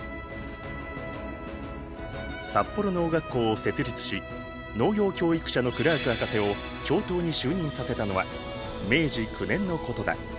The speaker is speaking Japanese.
札幌農学校を設立し農業教育者のクラーク博士を教頭に就任させたのは明治９年のことだ。